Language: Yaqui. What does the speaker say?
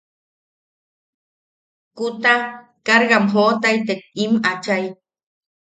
Kuta cargam joʼotaitek im achai.